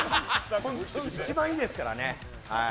一番いいですからね。